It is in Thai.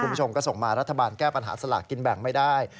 คุณผู้ชมก็ส่งมารัฐบาลแก้ปัญหาสลากกินแบ่งไม่ได้